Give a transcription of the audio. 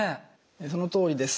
そのとおりです。